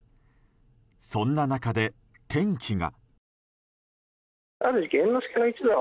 そんな中で、転機が。